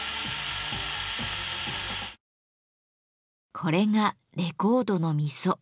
これがレコードの溝。